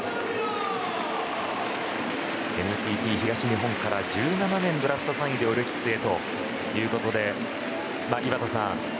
ＮＴＴ東日本から１７年、ドラフト３位でオリックスへということで井端さん